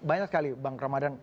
banyak sekali bang kramadhan